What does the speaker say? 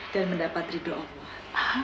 dan mendapat ridho allah